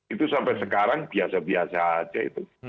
itu sampai sekarang biasa biasa aja itu